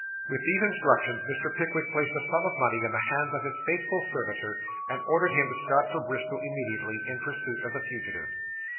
With these instructions, Mr. Pickwick placed a sum of money in the hands of his faithful servitor, and ordered him to start for Bristol immediately, in pursuit of the fugitive.